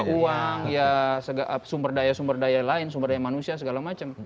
uang ya sumber daya sumber daya lain sumber daya manusia segala macam